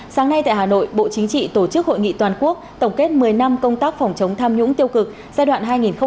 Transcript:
sáng nay tại hà nội bộ chính trị tổ chức hội nghị toàn quốc tổng kết một mươi năm công tác phòng chống tham nhũng tiêu cực giai đoạn hai nghìn một mươi ba hai nghìn hai mươi